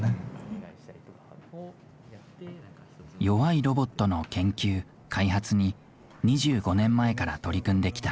弱いロボットの研究開発に２５年前から取り組んできた。